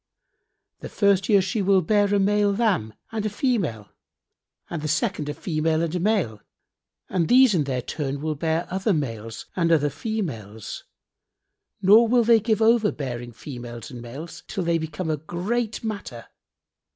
The first year she will bear a male lamb and a female and the second a female and a male and these in their turn will bear other males and other females, nor will they give over bearing females and males, till they become a great matter.